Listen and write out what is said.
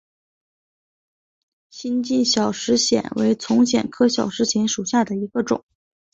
新进小石藓为丛藓科小石藓属下的一个种。